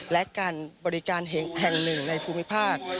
และการบริการแห่งหนึ่งในภูมิภาค